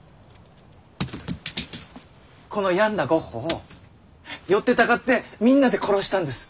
この病んだゴッホを寄ってたかってみんなで殺したんです。